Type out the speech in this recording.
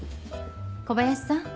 小林さん